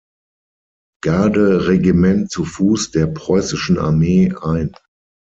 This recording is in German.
Garde-Regiment zu Fuß der preußischen Armee ein.